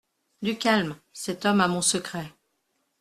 Du calme, cet homme a mon secret.